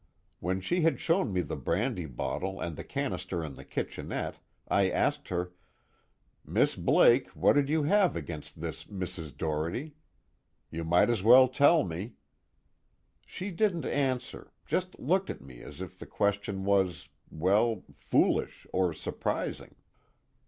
When she had shown me the brandy bottle and the canister in the kitchenette, I asked her: 'Miss Blake, what did you have against this Mrs. Doherty? you might as well tell me.' She didn't answer, just looked at me as if the question was well, foolish or surprising.